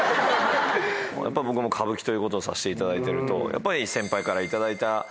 やっぱり僕も歌舞伎ということをさせていただいてると。